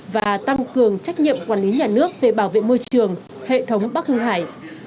và tăng cường trách nhiệm quản lý nhà nước về bảo vệ môi trường hệ thống bắc hưng hải